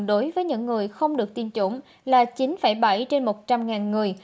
đối với những người không được tiêm chủng là chín bảy trên một trăm linh người